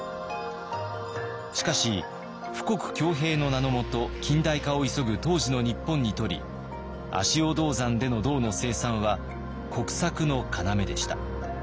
しかし富国強兵の名のもと近代化を急ぐ当時の日本にとり足尾銅山での銅の生産は国策の要でした。